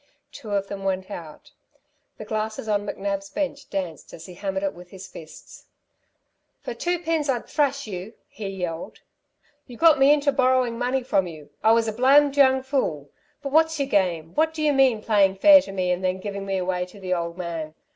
Two of them went out. The glasses on McNab's bench danced as he hammered it with his fists. "For two pins I'd thrash you," he yelled. "You got me into borrowing money from you. I was a blamed young fool! But what's your game? What do you mean playing fair to me and then giving me away to the old man.